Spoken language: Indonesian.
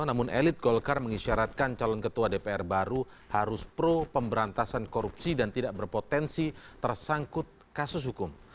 namun elit golkar mengisyaratkan calon ketua dpr baru harus pro pemberantasan korupsi dan tidak berpotensi tersangkut kasus hukum